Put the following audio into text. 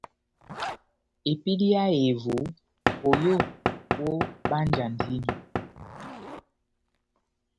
Epédi yá ehevo, voyó vobánjandini.